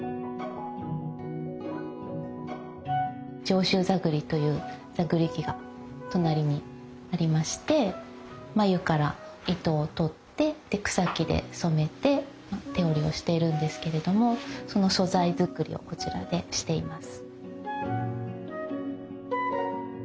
上州座繰りという座繰り器が隣にありまして繭から糸をとってで草木で染めて手織りをしているんですけれどもその素材作りをこちらでしています。